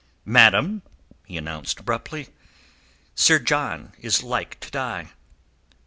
"Madam," he announced abruptly, "Sir John is like to die."